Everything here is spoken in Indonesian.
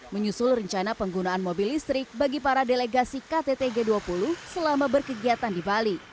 menyusul rencana penggunaan mobil listrik bagi para delegasi kttg dua puluh selama berkegiatan di bali